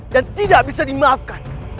dan tidak bisa dimaafkan